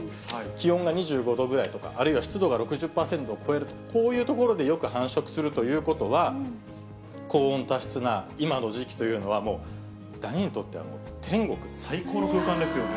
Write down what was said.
気温が２５度ぐらいとか、あるいは湿度が６０％を超えると、こういう所でよく繁殖するということは、高温多湿な今の時期というのは、最高の空間ですよね。